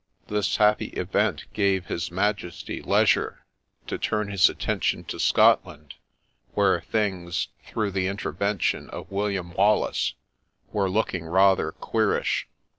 This happy event gave his Majesty leisure to turn his attention to Scotland, where things, through the intervention of William Wallace, were looking rather queerish.